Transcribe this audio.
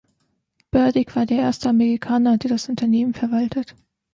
Burdick war der erste Amerikaner, der das Unternehmen verwaltet.